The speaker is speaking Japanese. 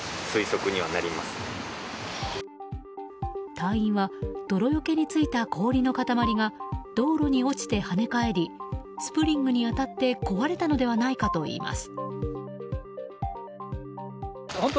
隊員は泥除けについた氷の塊が道路に落ちて跳ね返りスプリングに当たって壊れたのではないかといいます。